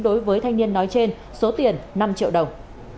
đối với thanh niên nói trên số tiền năm triệu đồng